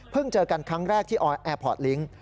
เจอกันครั้งแรกที่ออยแอร์พอร์ตลิงค์